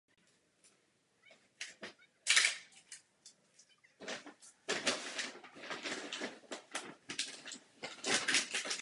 K čemu hřeben sloužil je nicméně otázkou diskuzí.